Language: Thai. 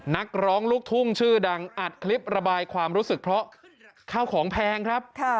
นักร้องลูกทุ่งชื่อดังอัดคลิประบายความรู้สึกเพราะข้าวของแพงครับ